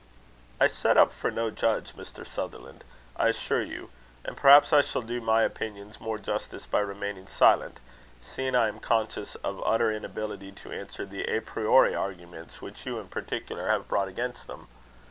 "I set up for no judge, Mr. Sutherland, I assure you; and perhaps I shall do my opinions more justice by remaining silent, seeing I am conscious of utter inability to answer the a priori arguments which you in particular have brought against them.